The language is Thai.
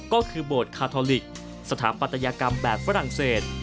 ก็คือโบสถ์คาทอลิกสถาปัตยกรรมแบบฝรั่งเศส